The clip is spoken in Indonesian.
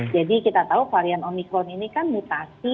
jadi kita tahu varian omikron ini kan mutasi